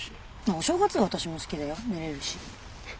あっお正月は私も好きだよ寝れるし。